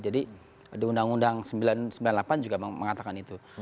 jadi di undang undang sembilan puluh delapan juga mengatakan itu